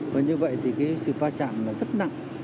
và như vậy thì cái sự va chạm là rất nặng